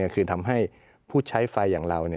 คือทำให้ผู้ใช้ไฟอย่างเรา